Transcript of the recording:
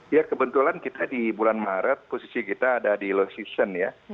ya kebetulan kita di bulan maret posisi kita ada di low season ya